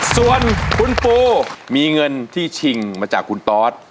ส่วนคุณปูมีเงินที่ชิงมาจากคุณตอส